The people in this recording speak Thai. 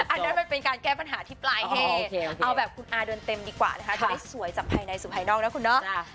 อันนั้นมันเป็นการแก้ปัญหาที่ปลายเหตุเอาแบบคุณอาเดินเต็มดีกว่านะคะจะได้สวยจากภายในสู่ภายนอกนะคุณเนาะ